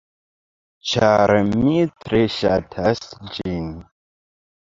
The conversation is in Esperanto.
Ĉar mi tre ŝatas ĝin.